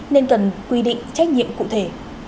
nên cần quy định trách nhiệm cụ thể